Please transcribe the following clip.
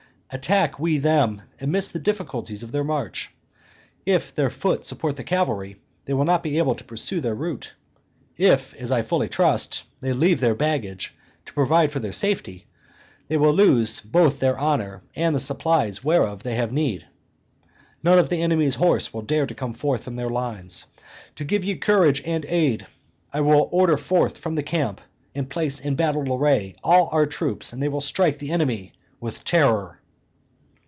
Attack we them amid the difficulties of their march; if their foot support the cavalry, they will not be able to pursue their route; if, as I fully trust, they leave their baggage, to provide for their safety, they will lose both their honor and the supplies whereof they have need. None of the enemy's horse will dare to come forth from their lines. To give ye courage and aid, I will order forth from the camp and place in battle array all our troops, and they will strike the enemy with terror."